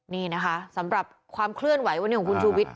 นี่นะคะสำหรับความเคลื่อนไหววันนี้ของคุณชูวิทย